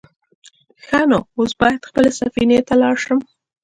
_ښه نو، اوس بايد خپلې سفينې ته لاړ شم.